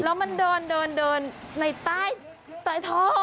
แล้วมันเดินในใต้ท่อ